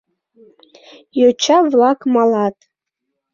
Йоча-влак малат.